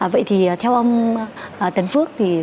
vậy thì theo ông tấn phước